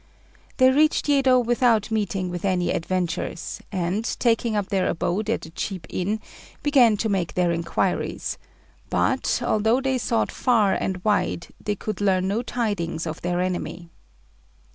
They reached Yedo without meeting with any adventures, and, taking up their abode at a cheap inn, began to make their inquiries; but, although they sought far and wide, they could learn no tidings of their enemy.